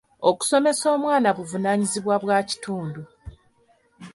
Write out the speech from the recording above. Okusomesa omwana buvunaanyizibwa bwa kitundu.